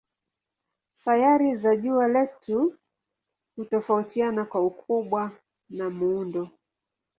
Sayari za jua letu hutofautiana kwa ukubwa na muundo.